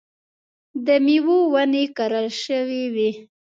د مېوو ونې کرل شوې وې.